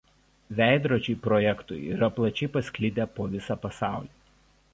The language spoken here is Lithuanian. Veidrodžiai projektui yra plačiai pasklidę po visą pasaulį.